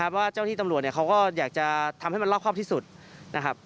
ว่าเจ้าที่ตำรวจเขาก็อยากจะทำให้มันรอบครอบที่สุดนะครับ